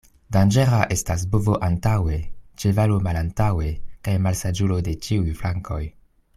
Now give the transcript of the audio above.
Danĝera estas bovo antaŭe, ĉevalo malantaŭe, kaj malsaĝulo de ĉiuj flankoj.